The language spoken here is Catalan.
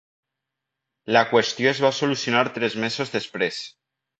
La qüestió es va solucionar tres mesos després.